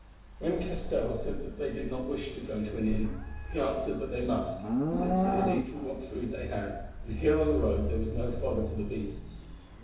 When Castell said that they did not wish to go to an inn, he answered that they must, since they had eaten what food they had, and here on the road there was no fodder for the beasts.